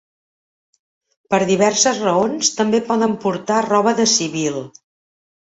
Per diverses raons, també poden portar roba de civil.